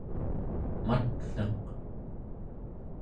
matneq